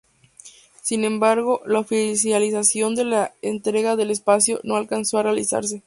Sin embargo, la oficialización de la entrega del espacio no alcanzó a realizarse.